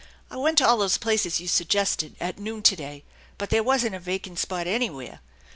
I went to all those places you suggested at noon to day, but there wasn't a vacant spot anywhere.